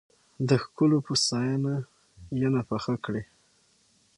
د ښکلو په ستاينه، ينه پخه کړې